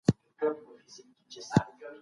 محکمه د قاتلینو په اړه پریکړه کوي.